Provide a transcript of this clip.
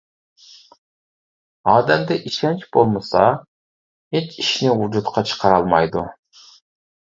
ئادەمدە ئىشەنچ بولمىسا ھېچ ئىشنى ۋۇجۇدقا چىقىرالمايدۇ.